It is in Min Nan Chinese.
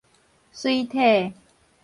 媠體